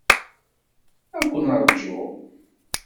Ad ken-rǧuɣ.